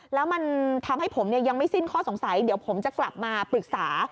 แล้วมันทำให้ผมยังไม่สิ้นข้อสงสัยเดี๋ยวผมจะกลับมาปรึกษา